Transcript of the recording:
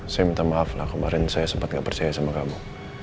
saya minta maaf lah kemarin saya sempat nggak percaya sama kamu